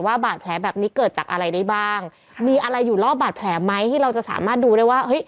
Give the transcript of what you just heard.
บาดแผลแบบนี้เกิดจากอะไรได้บ้างมีอะไรอยู่รอบบาดแผลไหมที่เราจะสามารถดูได้ว่าเฮ้ย